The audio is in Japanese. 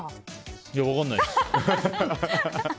いや、分かんないです。